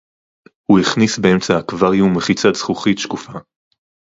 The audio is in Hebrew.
הוא הכניס באמצע האקווריום מחיצת זכוכית שקופה